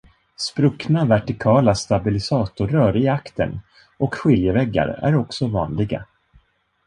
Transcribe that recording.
Spruckna vertikala stabilisatorrör i aktern och skiljeväggar är också vanliga.